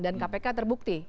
dan kpk terbukti